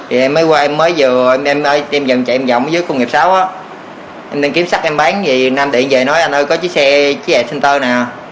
vì nam tiện về nói anh ơi có chiếc xe chiếc xe xinh tơ nào